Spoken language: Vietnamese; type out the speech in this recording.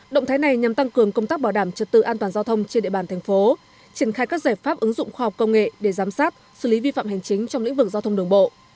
động thái này nhằm tăng cường công tác bảo đảm trật tự an toàn giao thông trên địa bàn thành phố triển khai các giải pháp ứng dụng khoa học công nghệ để giám sát xử lý vi phạm hành chính trong lĩnh vực giao thông đường bộ